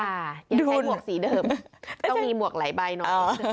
ยังใช้หมวกสีเดิมต้องมีหมวกหลายใบเนอะ